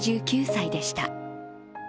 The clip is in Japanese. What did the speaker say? ８９歳でした。